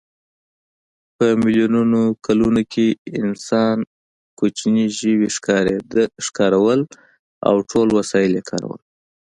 په میلیونو کلونو کې انسان کوچني ژوي ښکارول او ټول وسایل یې کارول.